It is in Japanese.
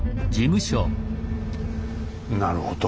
なるほど。